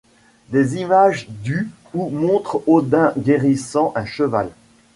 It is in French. Des images du ou montrent Odin guérissant un cheval.